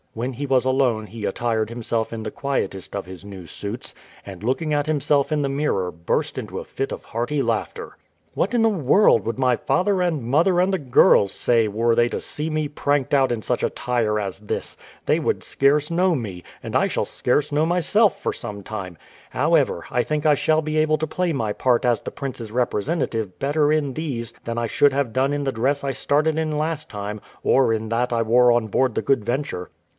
When he was alone he attired himself in the quietest of his new suits, and looking at himself in the mirror burst into a fit of hearty laughter. "What in the world would my father and mother and the girls say were they to see me pranked out in such attire as this? They would scarce know me, and I shall scarce know myself for some time. However, I think I shall be able to play my part as the prince's representative better in these than I should have done in the dress I started in last time, or in that I wore on board the Good Venture."